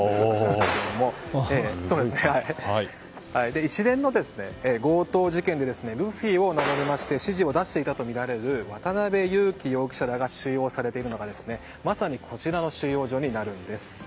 で、一連の強盗事件でルフィを名乗りまして指示を出していたとみられる渡辺優樹容疑者らが収容されているのがまさにこちらの収容所になります。